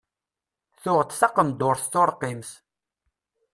Tuɣ-d taqendurt turqimt.